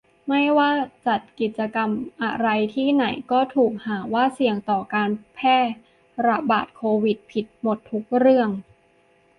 ไม่ว่าจัดกิจกรรมอะไรที่ไหนก็ถูกหาว่าเสี่ยงต่อการแพร่ระบาดโควิด ผิดหมดทุกเรื่อง